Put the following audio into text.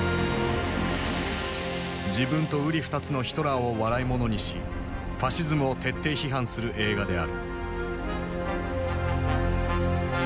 自分とうり二つのヒトラーを笑いものにしファシズムを徹底批判する映画である。